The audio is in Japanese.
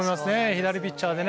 左ピッチャーで。